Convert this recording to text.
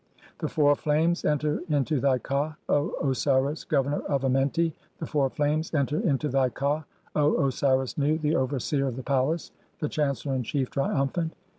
The four flames enter "into thy KA, O Osiris, governor of (17) Amenti, the four flames "enter into thy ka, O Osiris Nu, the overseer of the palace, the "chancellor in chief, triumphant.